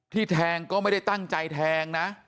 แทงก็ไม่ได้ตั้งใจแทงนะ